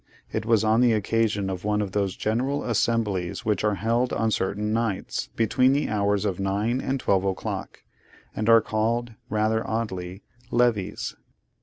It was on the occasion of one of those general assemblies which are held on certain nights, between the hours of nine and twelve o'clock, and are called, rather oddly, Levees.